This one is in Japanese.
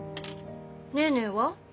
ネーネーは？